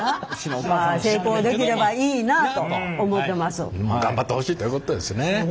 それは頑張ってほしいということですね。